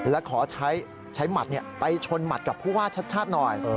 และขอใช้หมัดไปชนหมัดกับผู้ว่าชัดชาติหน่อย